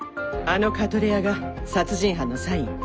あのカトレアが殺人犯のサイン。